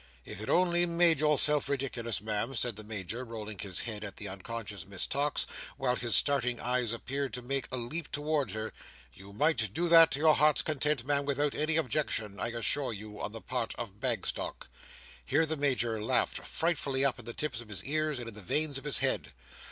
If it only made yourself ridiculous, Ma'am," said the Major, rolling his head at the unconscious Miss Tox, while his starting eyes appeared to make a leap towards her, "you might do that to your heart's content, Ma'am, without any objection, I assure you, on the part of Bagstock." Here the Major laughed frightfully up in the tips of his ears and in the veins of his head.